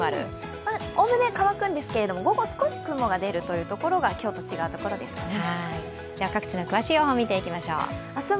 おおむね乾くんですけれども午後少し雲が出るというところが今日と違うところですかね。